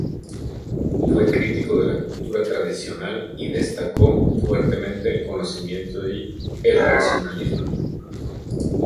Fue crítico de la cultura tradicional y destacó fuertemente el conocimiento y el racionalismo.